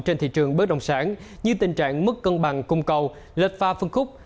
trên thị trường bất đồng sản như tình trạng mức cân bằng cung cầu lệch pha phân khúc